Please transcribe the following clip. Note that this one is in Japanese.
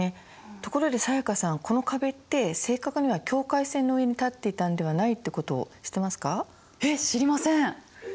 ところで才加さんこの壁って正確には境界線の上に建っていたんではないってことを知ってますか？